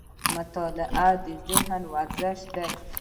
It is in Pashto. مطالعه د ذهن ورزش دی